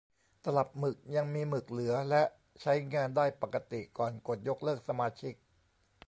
ตลับหมึกยังมีหมึกเหลือและใช้งานได้ปกติก่อนกดยกเลิกสมาชิก